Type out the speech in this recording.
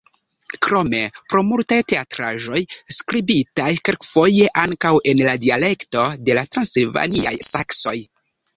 Krome pro multaj teatraĵoj, skribitaj kelkfoje ankaŭ en la dialekto de la transilvaniaj saksoj.